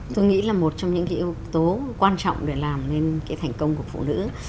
tôi nghĩ là một trong những yếu tố quan trọng để làm nên cái thành công của phụ nữ